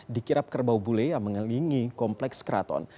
dikirap kerbau bule yang mengelilingi kompleks keraton